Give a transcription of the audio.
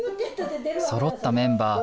そろったメンバー